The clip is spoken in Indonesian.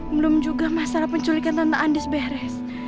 belum juga masalah penculikan tentang andis beres